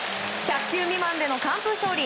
１００球未満での完封勝利